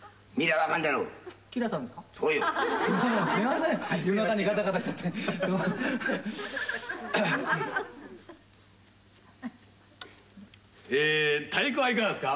ばちはいかがですか？